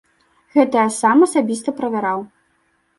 Гэта я сам асабіста правяраў.